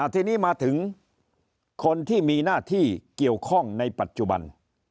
ทีนี้มาถึงคนที่มีหน้าที่เกี่ยวข้องในปัจจุบัน